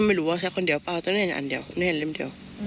ไม่รู้ว่าใช่คนเดียวเปล่าแต่ไม่เห็นอันเดียวไม่เห็นเล็มเดียว